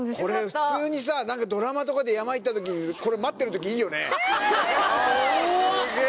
普通にさ何かドラマとかで山行った時にこれ待ってる時いいよね